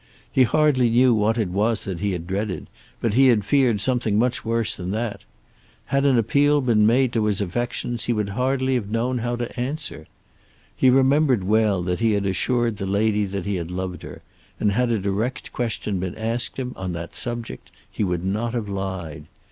He hardly knew what it was that he had dreaded, but he had feared something much worse than that. Had an appeal been made to his affections he would hardly have known how to answer. He remembered well that he had assured the lady that he loved her, and had a direct question been asked him on that subject he would not have lied.